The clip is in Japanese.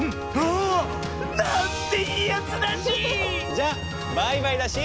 じゃバイバイだし！